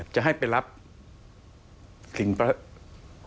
จะให้ไปรับของพระท่าน